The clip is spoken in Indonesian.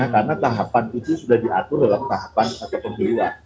karena tahapan itu sudah diatur dalam tahapan satu pemilu